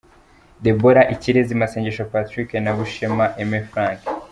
Deborha Ikirezi Masengesho Patrick na Bushema Aime Frank .